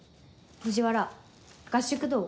藤原合宿どう？